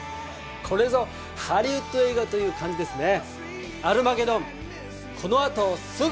これぞハリウッド映画という感じですね。